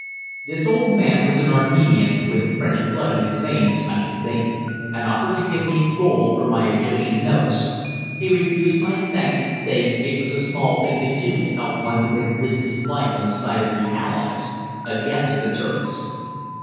This old man was an Armenian, with French blood in his veins, I should think, and offered to give me gold for my Egyptian notes. He refused my thanks, saying it was a small thing to do to help one who had risked his life on the side of the Allies against the Turks.